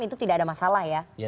itu tidak ada masalah ya